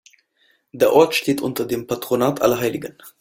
Der Ort steht unter dem Patronat Allerheiligen.